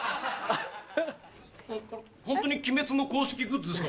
ホントに『鬼滅』の公式グッズですか？